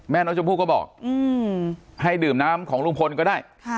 แม่น้องชมพู่ก็บอกให้ดื่มน้ำของลุงพลก็ได้